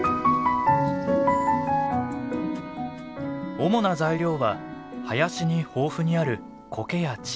主な材料は林に豊富にあるコケや地衣類。